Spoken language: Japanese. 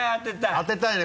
当てたいね